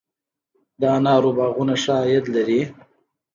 د انارو باغونه ښه عاید لري؟